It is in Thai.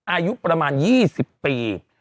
อายุประมาณยี่สิบปี